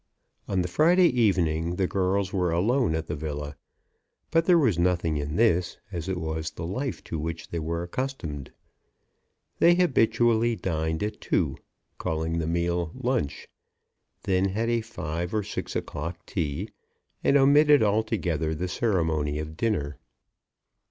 On the Friday evening the girls were alone at the villa; but there was nothing in this, as it was the life to which they were accustomed. They habitually dined at two, calling the meal lunch, then had a five or six o'clock tea, and omitted altogether the ceremony of dinner.